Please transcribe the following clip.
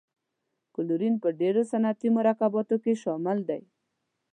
کلورین په ډیرو صنعتي مرکباتو کې شامل دی.